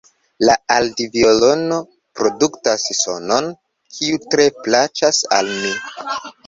La aldviolono produktas sonon, kiu tre plaĉas al mi.